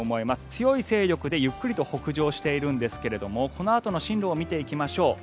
強い勢力でゆっくりと北上しているんですがこのあとの進路を見ていきましょう。